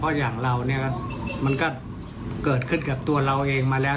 เพราะอย่างเราเนี่ยมันก็เกิดขึ้นกับตัวเราเองมาแล้ว